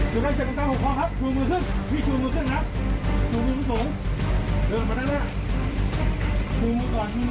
สุดท้ายจะกำลังหลบคอครับชูมือขึ้นพี่ชูมือขึ้นครับชูมือมันสูง